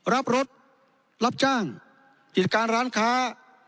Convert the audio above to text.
รับรถรับจ้างกิจการร้านค้า